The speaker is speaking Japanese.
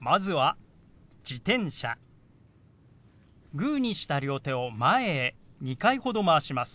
グーにした両手を前へ２回ほどまわします。